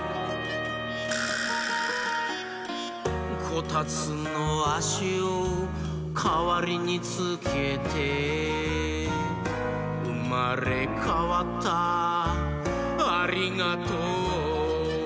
「こたつのあしをかわりにつけて」「うまれかわったありがとう」